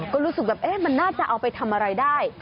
ก็รู้สึกแบบมันน่าจะเอาไปทำอะไรได้